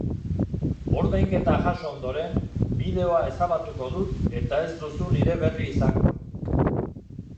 Ordainketa jaso ondoren, bideoa ezabatuko dut eta ez duzu nire berri izango.